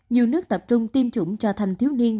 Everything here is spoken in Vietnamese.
nhiều nước tập trung tiêm chủng cho thành thiếu niên